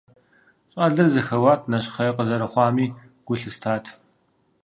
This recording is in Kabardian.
Щӏалэр зэхэуат, нэщхъей къызэрыхъуами гу лъыстат.